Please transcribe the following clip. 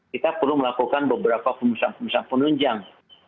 kita perlu melakukan beberapa pemisahan pemisahan penunjang